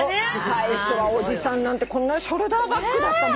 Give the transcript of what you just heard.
最初はおじさんなんてこんなショルダーバッグだった。